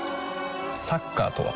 サッカーとは？